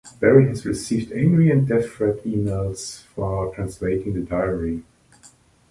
Berry has received angry and death threat emails for translating the diary.